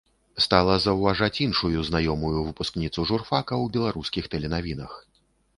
Стала заўважаць іншую знаёмую выпускніцу журфака ў беларускіх тэленавінах.